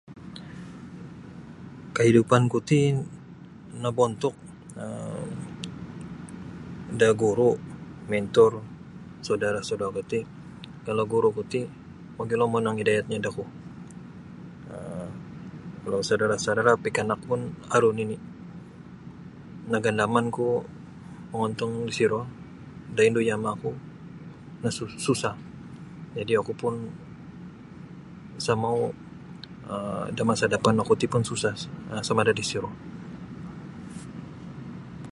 Kaidupanku ti nobontuk um da guru' mentor saudara'-saudara'ku ti kalau guru'ku ti mogilo monong idayatnyo do oku um kalau saudara'-saudara' pikanak pun aru nini' nagandamanku mongontong disiro da indu yama'ku na susah jadi' oku pun sa' mau' um da masa dapan oku ti pun susah sama' da disiro.